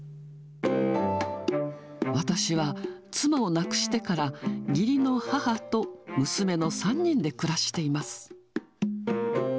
私は妻を亡くしてから義理の母と娘の３人で暮らしています。